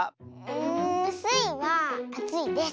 んスイはあついです。